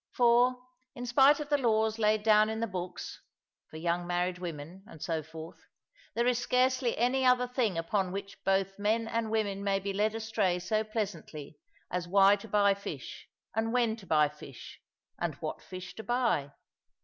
For, in spite of the laws laid down in the books (for young married women, and so forth), there is scarcely any other thing upon which both men and women may be led astray so pleasantly as why to buy fish, and when to buy fish, and what fish to buy.